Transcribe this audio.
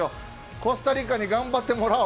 コスタリカに頑張ってもらおう。